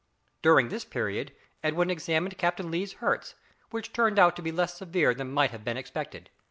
During this period Edwin examined Captain Lee's hurts, which turned out to be less severe than might have been expected.